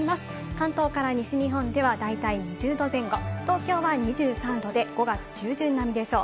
関東から西日本では大体２０度前後、東京は２３度で５月中旬並みでしょう。